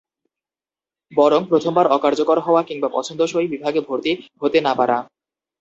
বরং প্রথমবার অকার্যকর হওয়া কিংবা পছন্দসই বিভাগে ভর্তি হতে না পারা।